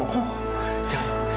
aku udah ngitip